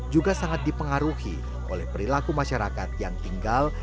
juga sangat dipengaruhi oleh perilaku masyarakat yang tinggal